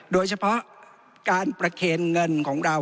โดยเฉพาะการประเคนเงินของเรา